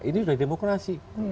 ini sudah demokrasi